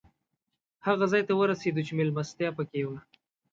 هغه ځای ته ورسېدو چې مېلمستیا پکې وه.